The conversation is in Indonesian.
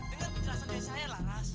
dengar penjelasan dari saya laras